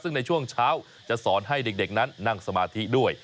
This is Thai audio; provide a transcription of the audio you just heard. ซึ่งในช่วงเช้าจะสอนให้เด็กนั้นนั่งสมาธิด้วย